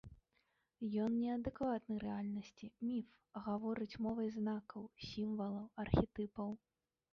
Ён не адэкватны рэальнасці, міф гаворыць мовай знакаў, сімвалаў, архетыпаў.